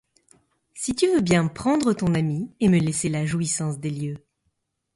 si tu veux bien prendre ton ami et me laisser la jouissance des lieux.